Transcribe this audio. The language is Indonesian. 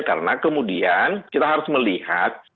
karena kemudian kita harus melihat